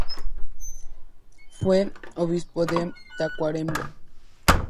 Fue obispo de Tacuarembó.